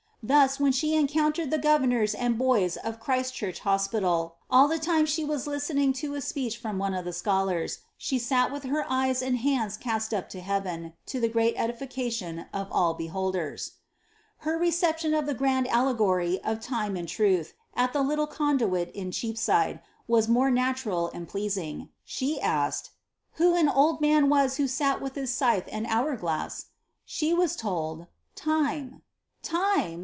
Thua, wheo ahe encoantered die fat ▼emora and boya of Chriat Church Hoapital) all the time ahe waa ui tening to a apeech from one of the acholara, ahe aat with her eyea hands caat up to Heaven, to the greal edification of all beholden.' Her reception of the gmnd allegory of Time and Truth, at the Conduit in Cheapaide, waa mora natural and pleaaing. She nato4 ^ Who an old miui waa whp aat with hia acythe and bonr fkMar' was told ^Time."